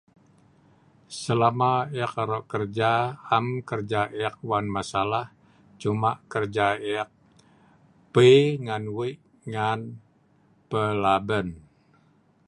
Selama eek aroq kerja am kerja eek wan masalah cuma kerja eek pi ngan wei ngan pelaben